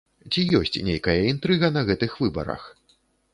Ці ёсць нейкая інтрыга на гэтых выбарах?